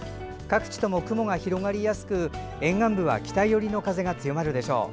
各地とも雲が広がりやすく沿岸部は北寄りの風が強まるでしょう。